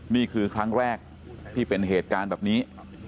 นี่คือครั้งแรกที่เป็นเหตุการณ์แบบนี้